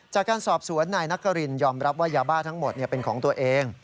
จากการสอบสวนนายนักกรินยอมรับว่ายาบ้าทั้งหมดเป็นของตัวเอง